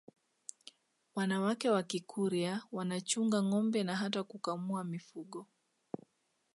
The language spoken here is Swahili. wanawake wa Kikurya wanachunga ngombe na hata kukamua mifugo